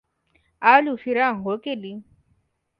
आज उशीरा अंघोळ केली.